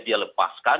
bagaimana dia lepaskan